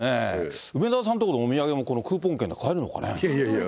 梅沢さんとこのお土産も、このクーポン券で買えるのかね？